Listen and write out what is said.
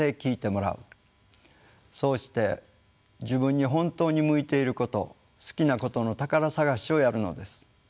そうして自分に本当に向いていること好きなことの宝探しをやるのです。